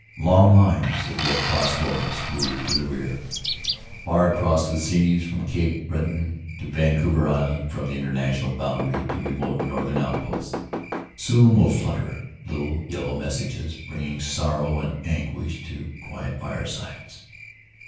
Long lines of Red Cross lorries move to the rear. Far across the seas, from Cape Breton to Vancouver Island, from the International Boundary to remote northern outposts, AFTER THE BATTLE 175 soon will flutter little yellow messages, bringing sorrow and anguish to quiet firesides.